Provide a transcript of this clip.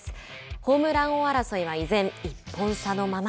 ホームラン王争いは依然、１本差のまま。